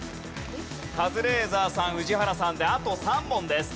カズレーザーさん宇治原さんであと３問です。